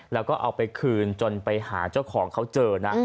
แล้วก็เอาไปคืนจนไปหาเจ้าของเขาเจอนะ